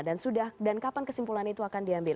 dan sudah dan kapan kesimpulan itu akan diambil